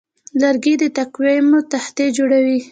لرګی د تقویمو تختې جوړوي.